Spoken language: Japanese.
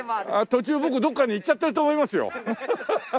途中僕どっかに行っちゃってると思いますよ。